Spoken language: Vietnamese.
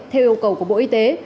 theo yêu cầu của bộ y tế